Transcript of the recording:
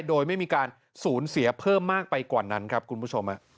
โดยไม่มีการสูญเสียเพิ่มมากไปกว่านั้นครับคุณผู้ชม